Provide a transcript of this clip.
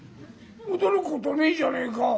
驚くことねえじゃねえか」。